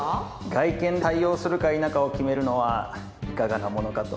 外見で採用するか否かを決めるのはいかがなものかと。